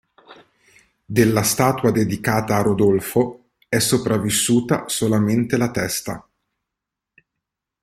Della statua dedicata a Rodolfo è sopravvissuta solamente la testa.